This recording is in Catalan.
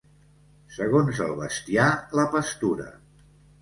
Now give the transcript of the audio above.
Segons el bestiar, la pastura.